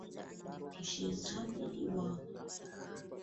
Mchezaji wa kimataifa akiwa na umri wa miaka kumi na sita